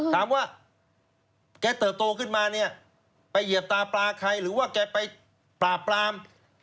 ถามว่าแกเติบโตขึ้นมาเนี่ยไปเหยียบตาปลาใครหรือว่าแกไปปราบปราม